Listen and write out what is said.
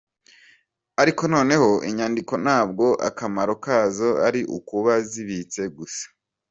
Ariko noneho, inyandiko ntabwo akamaro kazo ari ukuba zibitse gusa.